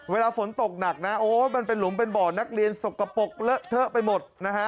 เวลาฝนตกหนักนะโอ้ยมันเป็นหลุมเป็นบ่อนักเรียนสกปรกเลอะเทอะไปหมดนะฮะ